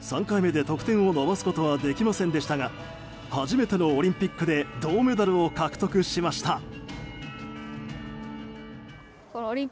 ３回目で得点を伸ばすことはできませんでしたが初めてのオリンピックで銅メダルを獲得しました。